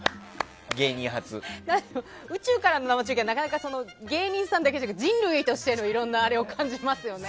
宇宙からの生中継はなかなか芸人さんだけじゃなくて人類としての、いろいろなあれを感じますね。